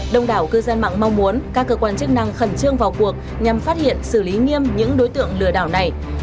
đông đảo cư dân mạng mong muốn các cơ quan chức năng khẩn trương vào cuộc nhằm phát hiện xử lý nghiêm những đối tượng lừa đảo này